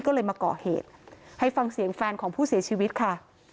ก็เลยมาก่อเหตุให้ฟังเสียงแฟนของผู้เสียชีวิตค่ะ